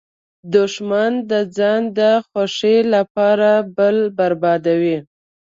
دښمن د ځان د خوښۍ لپاره بل بربادوي